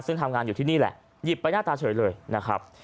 ซึ่งทำงานอยู่ที่นี่แหละหยิบไปหน้าตาเฉยเลยนะครับ